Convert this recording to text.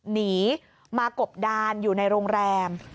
หนีมากบดานอยู่ในโรงแรม